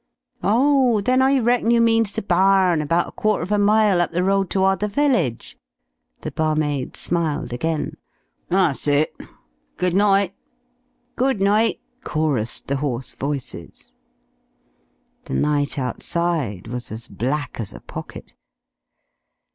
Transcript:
"Oh! Then I reckon you means the barn about a quarter of a mile up the road toward the village?" The barmaid smiled again. "That's it. Good night." "Good night," chorused the hoarse voices. The night outside was as black as a pocket.